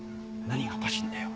何がおかしいんだよ？